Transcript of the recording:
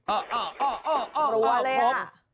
อ่ะอ่ะอ่ะอ่ะอ่ะพร้อม